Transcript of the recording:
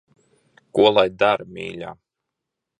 Ko lai dara, mīļā.